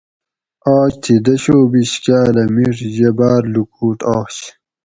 آج تھی دش او بیش کاۤلہ میڄ یہ باۤر لوکوٹ آش